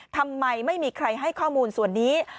ทำไมไม่มีใครให้ข้อมูลส่วนนี้